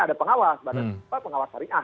ada pengawas badan pengawas syariah